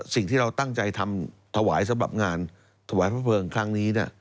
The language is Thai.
สิ่งที่เราตั้งใจทำถวายสำหรับงานถวายพระเพลิงครั้งนี้